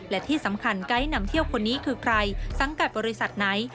และที่สำคัญไกด์นำเที่ยวคนนี้คือใครสังกัดบริษัทไหน